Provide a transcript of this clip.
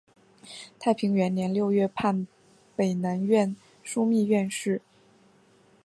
太平元年六月判北南院枢密院事。